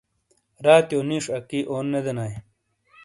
راتیو نیش اکی اون نہ دینائیے۔